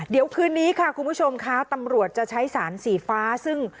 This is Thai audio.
เดี๋ยวคืนนี้ค่ะคุณผู้ชมค่ะตำรวจจะใช้สารสีฟ้าซึ่ง